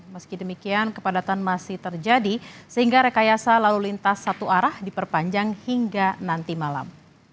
meski demikian kepadatan masih terjadi sehingga rekayasa lalu lintas satu arah diperpanjang hingga nanti malam